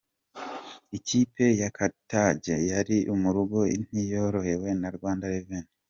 Ikipe ya Carthage yari mu rugo ntiyoroheye Rwanda Revenue.